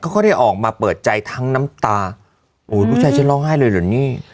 ก็ได้ออกมาเปิดใจทั้งน้ำตาโอ้ลูกชายฉันร้องไห้เลยเหรอนี่